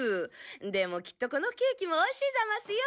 でもきっとこのケーキもおいしいざますよ。